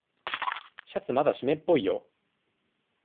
シャツまだしめっぽいよ。